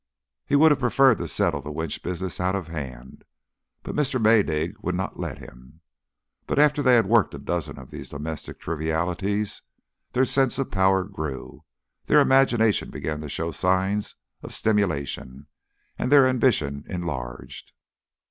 He would have preferred to settle the Winch business out of hand, but Mr. Maydig would not let him. But after they had worked a dozen of these domestic trivialities, their sense of power grew, their imagination began to show signs of stimulation, and their ambition enlarged.